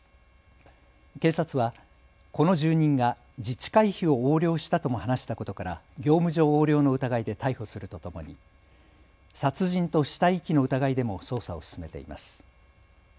警察はこの住人が自治会費を横領したとも話したことから業務上横領の疑いで逮捕するとともに殺人と死体遺棄の疑いでも捜査を進めています。